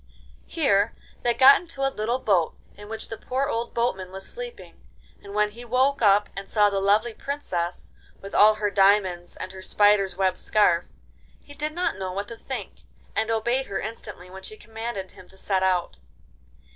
Here they got into a little boat in which the poor old boatman was sleeping, and when he woke up and saw the lovely Princess, with all her diamonds and her spiders'—web scarf, he did not know what to think, and obeyed her instantly when she commanded him to set out.